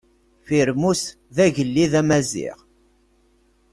Firmus d agellid amaziɣ.